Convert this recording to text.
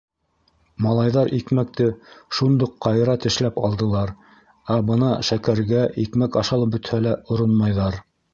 Малайҙар икмәкте шундуҡ ҡайыра тешләп алдылар, ә бына шәкәргә, икмәк ашалып бөтһә лә, оронмайҙар.